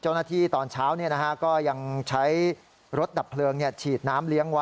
เจ้าหน้าที่ตอนเช้าเนี่ยนะฮะก็ยังใช้รถดับเพลิงเนี่ยฉีดน้ำเลี้ยงไว้